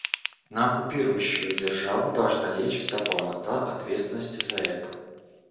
На оккупирующую державу должна лечь вся полнота ответственности за это.